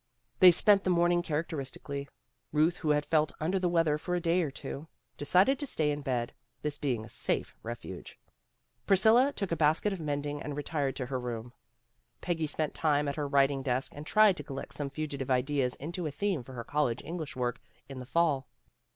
They spent the morning characteristically. Kuth, who had felt under the weather for a day or two, decided to stay in bed, this being a safe refuge. Priscilla took a basket of mending and retired to her room. Peggy spent her time at her writing desk and tried to collect some fugitive ideas into a theme for her college English work in the fall.